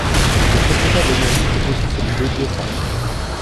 Le secrétaire de mairie est aussi celui d'Odieta.